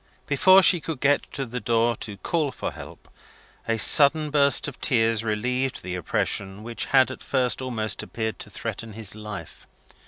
Before she could get to the door to call for help, a sudden burst of tears relieved the oppression which had at first almost appeared to threaten his life.